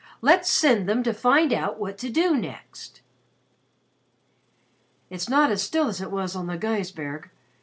Let's send them to find out what to do next." "It's not as still as it was on the Gaisberg.